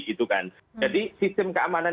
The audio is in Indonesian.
gitu kan jadi sistem keamanan